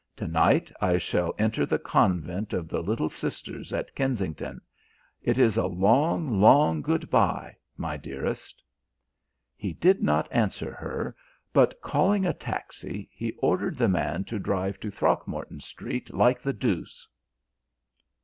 To night I shall enter the Convent of the Little Sisters at Kensington. It is a long, long good bye, my dearest." He did not answer her, but calling a taxi, he ordered the man to drive to Throgmorton Street like the deuce.